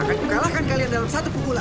nah akan kalahkan kalian dalam satu pukulan